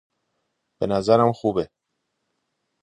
بنظرم خوبه